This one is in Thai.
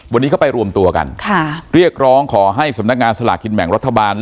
วันนี้เขาไปรวมตัวกันค่ะเรียกร้องขอให้สำนักงานสลากกินแบ่งรัฐบาล